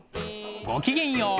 ごきげんよう！